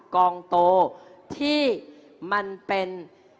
กองโตที่มันเป็น